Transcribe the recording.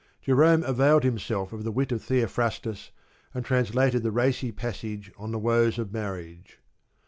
Jerome availed himself of the wit of Theophrastus and translated the racy passage on the woes of marriage.